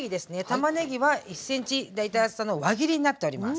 たまねぎは１ｃｍ大体厚さの輪切りになっております。